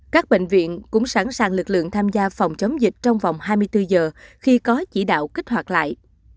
các bệnh viện cũng sẵn sàng lực lượng tham gia phòng chống dịch trong vòng hai mươi bốn giờ khi có chỉ đạo kích hoạt lại